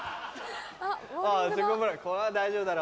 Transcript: これは大丈夫だろ。